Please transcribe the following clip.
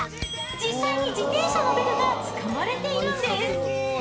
実際に自転車のベルが使われているんです！